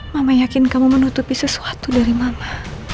mama yakin kamu menutupi sesuatu dari mana